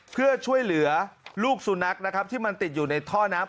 เพื่อช่วยเหลือลูกสุนัขนะครับที่มันติดอยู่ในท่อน้ำ